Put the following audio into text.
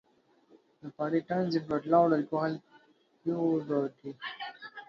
The party turns into a loud, alcohol-fueled orgy.